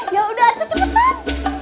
ya udah atoh cepetan